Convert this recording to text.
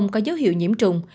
có dấu hiệu nhiễm trùng